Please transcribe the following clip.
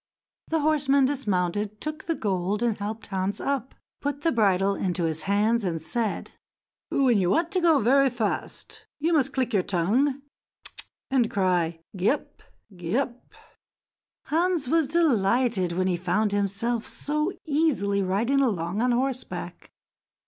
The horseman dismounted, took the gold, and helped Hans up, put the bridle into his hands, and said: "When you want to go very fast, you must click your tongue and cry 'Gee up! Gee up!'" Hans was delighted when he found himself so easily riding along on horseback.